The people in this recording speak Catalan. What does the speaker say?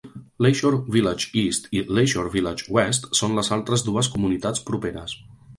Leisure Village East i Leisure Village West són les altres dues comunitats properes.